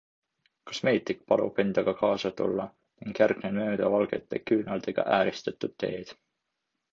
Kosmeetik palub endaga kaasa tulla ning järgnen mööda valgete küünaldega ääristatud teed.